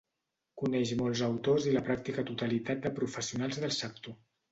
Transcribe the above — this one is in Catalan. Coneix molts autors i la pràctica totalitat de professionals del sector.